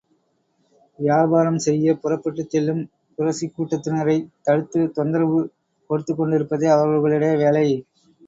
வியாபாரம் செய்யப் புறப்பட்டுச் செல்லும் குறைஷிக் கூட்டத்தினரைத் தடுத்துத் தொந்தரவு கொடுத்துக் கொண்டிருப்பதே அவர்களுடைய வேலை.